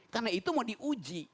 karena itu mau diuji